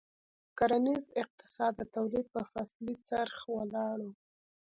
کرنیز اقتصاد د تولید په فصلي څرخ ولاړ و.